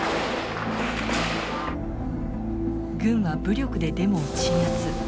軍は武力でデモを鎮圧。